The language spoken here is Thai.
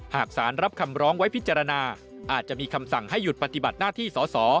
หากสารรับคำร้องไว้พิจารณาอาจจะมีคำสั่งให้หยุดปฏิบัติหน้าที่สอสอ